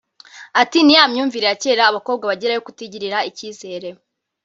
Ati “Ni ya myumvire yakera abakobwa bagira yo kutigirira icyizere